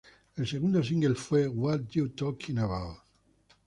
El segundo single fue "What You Talking About!?